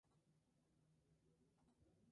Tiene dos mástiles o palos.